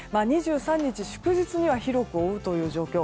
２３日祝日には広く覆うという状況。